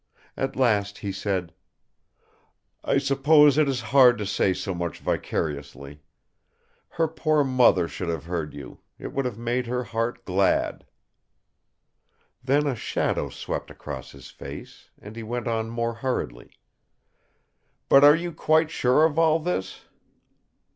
At last he said: "I suppose it is hard to say so much vicariously. Her poor mother should have heard you; it would have made her heart glad!" Then a shadow swept across his face; and he went on more hurriedly. "But are you quite sure of all this?"